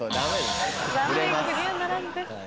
残念クリアならずです。